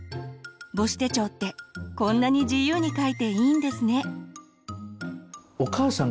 母子手帳ってこんなに自由にかいていいんですね。